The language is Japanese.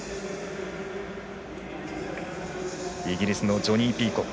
イギリスのジョニー・ピーコック。